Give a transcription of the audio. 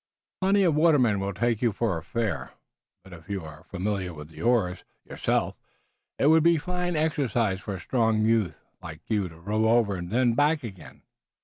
"Plenty of watermen will take you for a fare, but if you are familiar with the oars yourself it would be fine exercise for a strong youth like you to row over and then back again."